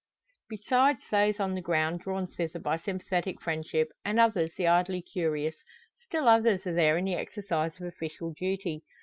Besides those on the ground drawn thither by sympathetic friendship, and others the idly curious, still others are there in the exercise of official duty.